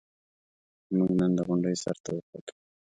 موږ نن د غونډۍ سر ته وخوتو.